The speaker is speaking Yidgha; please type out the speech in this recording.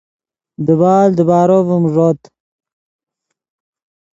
دیبال دیبارو ڤیم ݱوت